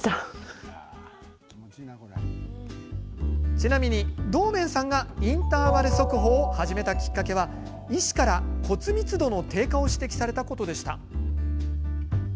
ちなみに、堂面さんがインターバル速歩を始めたきっかけは医師から骨密度の低下を指摘されたことでした。